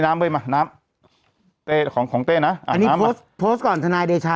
น้ำเว้ยมาน้ำของของเต้นะอันนี้โพสต์ก่อนทนายเดชา